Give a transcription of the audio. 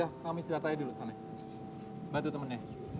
ya kau sedar tanya dulu tane helping out